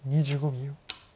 ２５秒。